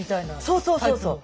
そうそうそうそう。